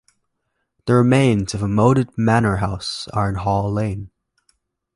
The remains of a moated manor house are in Hall Lane.